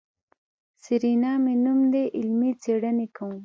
سېرېنا مې نوم دی علمي څېړنې کوم.